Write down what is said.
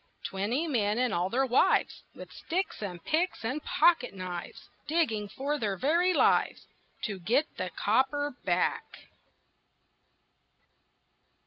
Twenty men and all their wives, With sticks and picks and pocket knives, Digging for their very lives To get the copper back.